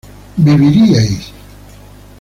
viviríais